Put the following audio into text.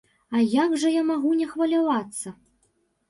А як жа я магу не хвалявацца?